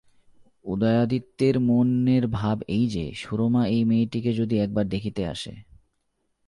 উদয়াদিত্যের মনের ভাব এই যে, সুরমা এই মেয়েটিকে যদি একবার দেখিতে আসে।